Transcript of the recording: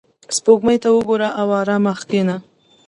• سپوږمۍ ته وګوره او آرامه کښېنه.